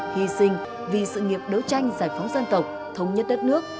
hy sinh vì sự nghiệp đấu tranh giải phóng dân tộc thống nhất đất nước